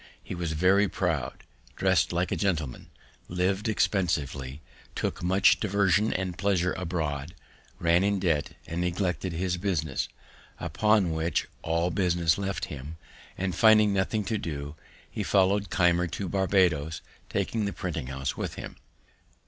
He was very proud, dress'd like a gentleman, liv'd expensively, took much diversion and pleasure abroad, ran in debt, and neglected his business; upon which, all business left him; and, finding nothing to do, he followed Keimer to Barbadoes, taking the printing house with him.